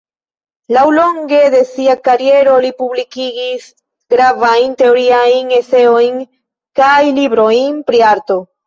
Laŭlonge de sia kariero li publikigis gravajn teoriajn eseojn kaj librojn pri arto.